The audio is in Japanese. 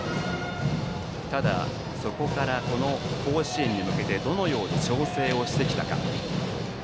ただ、そこから甲子園に向けてどのように調整をしてきたか。